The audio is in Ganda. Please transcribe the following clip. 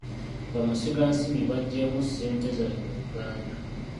Bamusiga nsimbi baggyeemu ssente zaabwe mu Uganda.